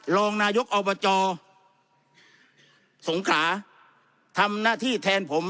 รองนายกอบจสงขาทำหน้าที่แทนผม